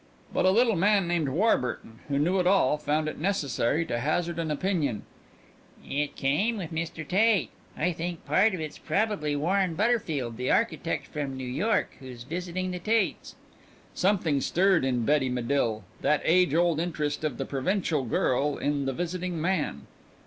But a little man named Warburton, who knew it all, found it necessary to hazard an opinion: "It came in with Mr. Tate. I think part of it's probably Warren Butterfield, the architect from New York, who's visiting the Tates." Something stirred in Betty Medill that age old interest of the provincial girl in the visiting man.